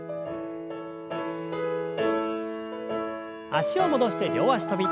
脚を戻して両脚跳び。